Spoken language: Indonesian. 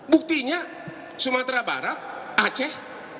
buktinya sumatera barat aceh